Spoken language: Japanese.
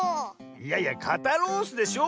いやいや「かたロース」でしょ